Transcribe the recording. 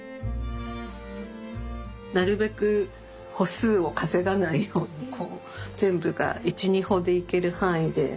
なるべく歩数を稼がないようにこう全部が１２歩で行ける範囲で。